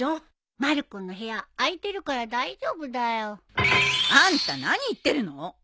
まる子の部屋空いてるから大丈夫だよ。あんた何言ってるの？